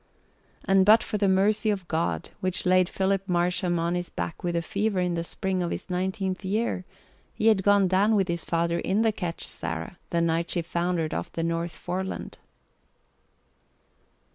And but for the mercy of God, which laid Philip Marsham on his back with a fever in the spring of his nineteenth year, he had gone down with his father in the ketch Sarah, the night she foundered off the North Foreland.